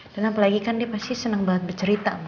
dan apalagi kan dia pasti senang banget bercerita